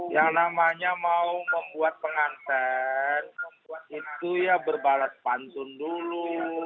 yang namanya mau membuat penganten itu ya berbalas pantun dulu